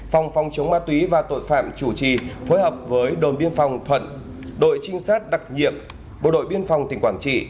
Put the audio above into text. phòng phòng chống ma túy và tội phạm chủ trì phối hợp với đồn biên phòng thuận đội trinh sát đặc nhiệm bộ đội biên phòng tỉnh quảng trị